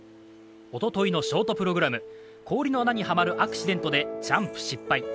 おとといのショートプログラム、氷の穴にはまるアクシデントでジャンプ失敗